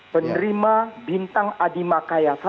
penerima bintang adi makayasa